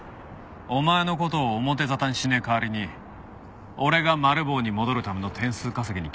お前の事を表沙汰にしねえ代わりに俺がマル暴に戻るための点数稼ぎに協力しろ。